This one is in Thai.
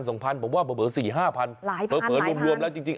สองพันผมว่าเบบสี่ห้าพันหลายพันรวมแล้วจริง